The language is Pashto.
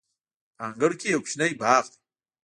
په انګړ کې یو کوچنی باغ دی.